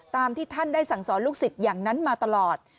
ที่ท่านได้สั่งสอนลูกศิษย์อย่างนั้นมาตลอด